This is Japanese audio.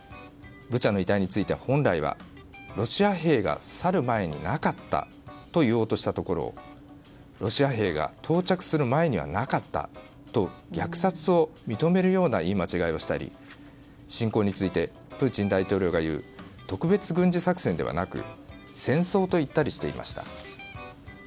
ブチャの遺体について本来はロシア兵が去る前にはなかったと言おうとしたところロシア兵が到着する前にはなかったと虐殺を認めるような言い間違いをしたり侵攻についてプーチン大統領が言う特別軍事作戦ではなく戦争と言ったりしていました。